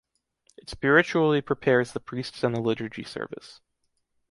It spiritually prepares the priests and the liturgy service.